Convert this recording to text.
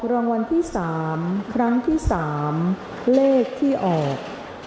รางวัลที่๓ครั้งที่๓เลขที่ออก